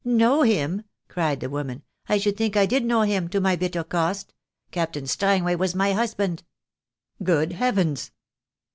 "Know him!" cried the woman. "I should think I did know him, to my bitter cost. Captain Strangway was my husband." "Good Heavens!"